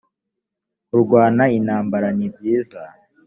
kurwana intambara nibyiza